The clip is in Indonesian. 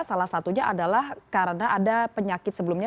salah satunya adalah karena ada penyakit sebelumnya